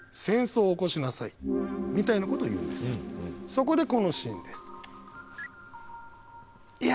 そこでこのシーンです。